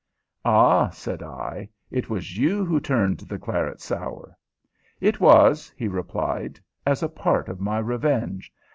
"Ah!" said I. "It was you who turned the claret sour?" "It was," he replied "as a part of my revenge.